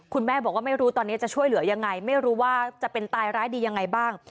คุณแม่บอกว่าไม่รู้ตอนนี้จะช่วยเหลือยังไงไม่รู้ว่าจะเป็นตายร้ายดียังไงบ้าง